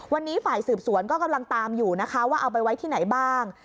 วันนี้ฝ่ายสืบสวนก็กำลังตามอยู่นะคะว่าเอาไปไว้ที่ไหนบ้าง